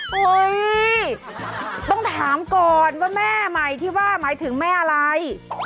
เฮ้ยต้องถามก่อนว่าแม่ใหม่ที่ว่าหมายถึงแม่อะไร